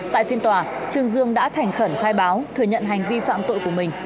tại phiên tòa trương dương đã thành khẩn khai báo thừa nhận hành vi phạm tội của mình